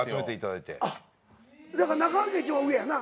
だから中川家一番上やな。